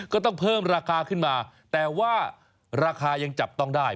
ก็ต้องเพิ่มราคาขึ้นมาแต่ว่าราคายังจับต้องได้